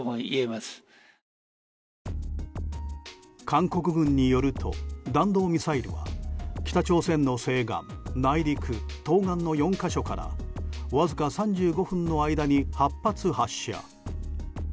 韓国軍によると弾道ミサイルは北朝鮮の西岸、内陸、東岸の４か所からわずか３５分の間に８発発射。